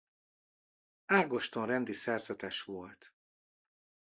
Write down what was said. Ágoston-rendi szerzetes volt.